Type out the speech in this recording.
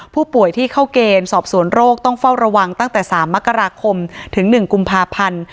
ผู้ป่วยที่เข้าเกณฑ์สอบสวนโรคต้องเฝ้าระวังตั้งแต่๓มกราคมถึง๑กุมภาพันธ์